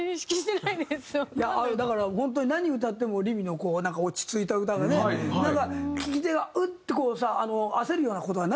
だから本当に何歌ってもりみの落ち着いた歌がね。なんか聴き手がうっ！ってこうさ焦るような事がないのよ。